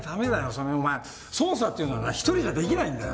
それにお前捜査っていうのはな１人じゃできないんだよ。